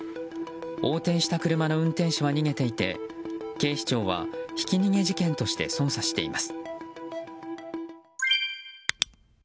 横転した車の運転手は逃げていて警視庁はひき逃げ事件として捜査しています。